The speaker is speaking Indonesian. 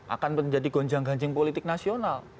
akan menjadi gonjang ganjing politik nasional